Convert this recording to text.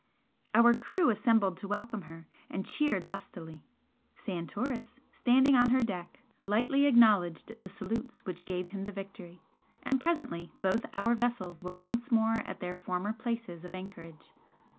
Our crew assembled to welcome her, and cheered lustily. Santoris, standing on her deck, lightly acknowledged the salutes which gave him the victory, and presently both our vessels were once more at their former places of anchorage.